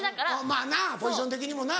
まぁなポジション的にもな。